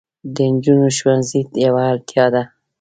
د نجونو ښوونځي یوه اړتیا ده.